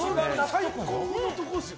最高のところですよ。